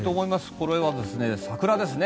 これは桜ですね。